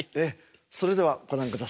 それではご覧ください。